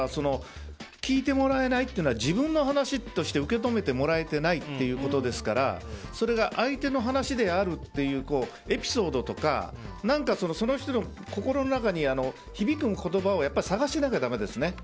聞いてもらえないっていうのは自分の話として受け止めてもらえてないということですからそれが相手の話であるっていうエピソードとか何かその人の心の中に響く言葉を探さなきゃだめですね。